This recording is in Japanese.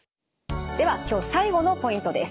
では今日最後のポイントです。